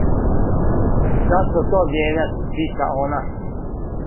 "Зашто то мијењати?" пита она."